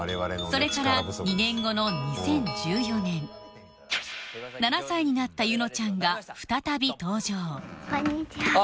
それから２年後の２０１４年７歳になった柚乃ちゃんが再び登場こんにちは。